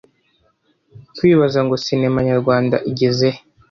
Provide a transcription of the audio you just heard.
"Kwibaza ngo sinema nyarwanda igezehe